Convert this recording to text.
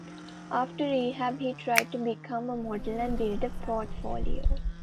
After rehab, he tried to become a model and built a portfolio.